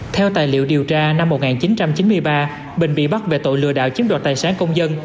theo tài liệu điều tra năm một nghìn chín trăm chín mươi ba bình bị bắt về tội lừa đảo chiếm đoạt tài sản công dân